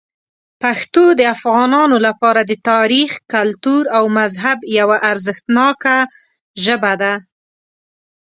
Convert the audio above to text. پښتو د افغانانو لپاره د تاریخ، کلتور او مذهب یوه ارزښتناک ژبه ده.